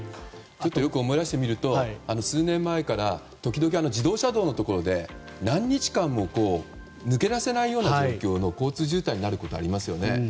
思い出してみると数年前から時々自動車道のところで何日間も抜け出せないような状況の交通渋滞になることがありますよね。